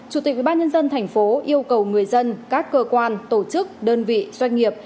chủ tịch ubnd tp yêu cầu người dân các cơ quan tổ chức đơn vị doanh nghiệp